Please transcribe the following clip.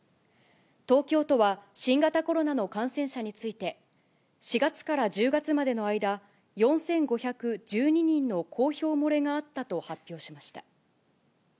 東京都は新型コロナの感染者について、４月から１０月までの間、４５１２人の公表漏れがあったと発表しました。